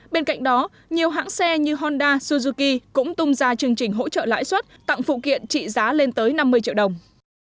bên cạnh đó nhiều hãng xe như honda suzuki cũng tung ra chương trình hỗ trợ lãi suất tặng phụ kiện trị giá lên tới năm mươi triệu đồng